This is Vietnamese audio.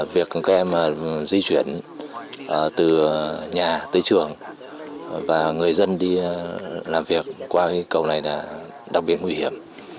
việc các em di chuyển từ nhà tới trường và người dân đi làm việc qua cây cầu này là đặc biệt nguy hiểm